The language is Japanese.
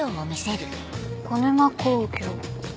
「小沼工業」。